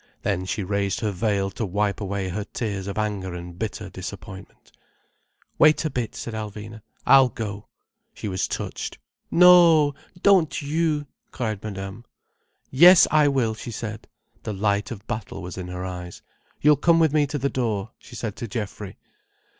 Then she raised her veil to wipe away her tears of anger and bitter disappointment. "Wait a bit," said Alvina. "I'll go." She was touched. "No. Don't you!" cried Madame. "Yes I will," she said. The light of battle was in her eyes. "You'll come with me to the door," she said to Geoffrey.